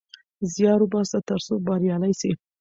زيار وباسه ترڅو بريالی سې